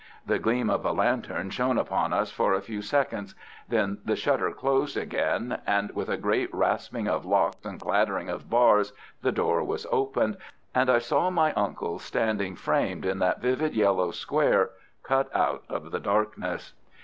The gleam of a lantern shone upon us for a few seconds. Then the shutter closed again; with a great rasping of locks and clattering of bars, the door was opened, and I saw my uncle standing framed in that vivid yellow square cut out of the darkness.